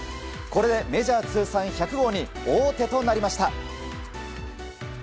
これでメジャー通算１００号に王手となりました。